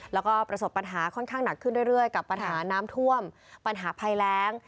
แล้วก็ประสบปัญหาค่อนข้างหนักขึ้นเรื่อยกับปัญหาน้ำท่วมปัญหาภัยแรง